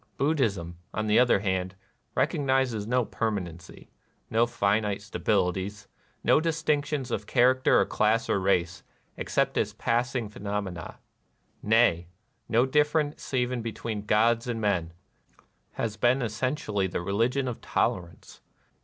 NIRVANA 229 Buddhism, on the other hand, recognizing no permanency, no finite stabilities, no dis tinctions of character or class or race, except as passing phenomena, — nay, no difference even between gods and men, — has been es sentially the religion of tolerance.